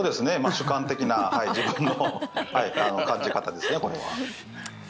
主観的な、自分の感じ方ですね。